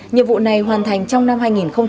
nhiệm vụ này hoàn thành trong năm hai nghìn hai mươi